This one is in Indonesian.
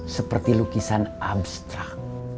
seperti lukisan abstrak